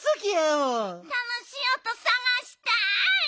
たのしいおとさがしたい！